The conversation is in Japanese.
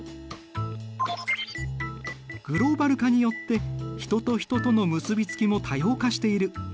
グローバル化によって人と人との結びつきも多様化している。